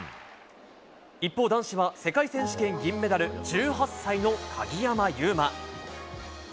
一方、男子は世界選手権、銀メダル１８歳の鍵山優真。